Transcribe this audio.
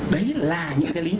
đấy là những cái lý do